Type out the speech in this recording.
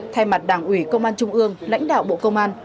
thay mặt đảng ủy công an trung ương lãnh đạo bộ công an